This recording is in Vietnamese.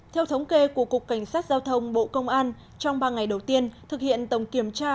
theo thống kê của cục cảnh sát giao thông bộ công an trong ba ngày đầu tiên thực hiện tổng kiểm tra